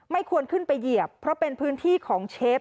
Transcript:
ควรขึ้นไปเหยียบเพราะเป็นพื้นที่ของเชฟ